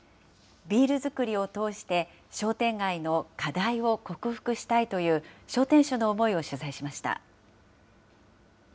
ビール造りを通して、商店街の課題を克服したいという、商店主の思いを取材しました。